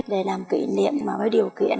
để làm kỷ niệm với điều kiện